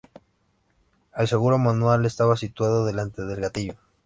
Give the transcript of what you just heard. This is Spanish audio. El seguro manual estaba situado delante del gatillo.